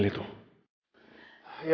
saya pergi nih ya